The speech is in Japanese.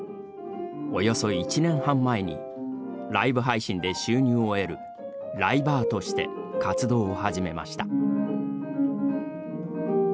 およそ１年半前にライブ配信で収入を得るライバーとして活動を始めました。